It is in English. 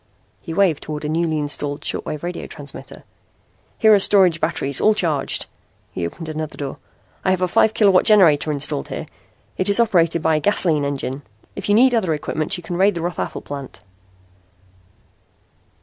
He waved toward a newly installed short wave radio transmitter. "Here are storage batteries, all charged." He opened another door. "I have a five kilowatt generator installed here. It is operated by a gasoline engine. If you need other equipment you can raid the Rothafel plant."